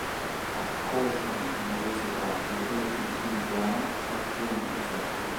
Accorrono numerose guardie e, in primo piano, catturano Giuseppe.